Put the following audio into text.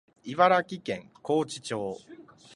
茨城県河内町